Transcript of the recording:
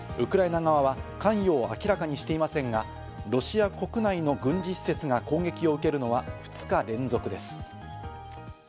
ウクライナ側は関与を明らかにしていませんが、ロシア国内の軍事施設が攻撃を受けるのは２日連続です。